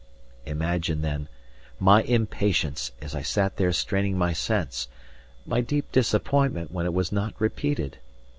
Imagine, then, my impatience as I sat there straining my sense, my deep disappointment when it was not repeated!